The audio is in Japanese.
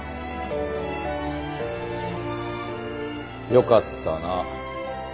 よかったな。